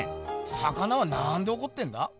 魚はなんでおこってんだ？